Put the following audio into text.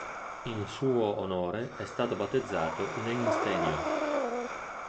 In suo onore è stato battezzato l'Einstenio.